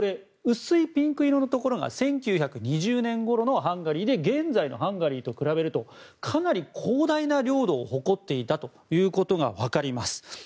薄いピンク色のところが１９２０年ごろのハンガリーで現在のハンガリーと比べるとかなり広大な領土を誇っていたということが分かります。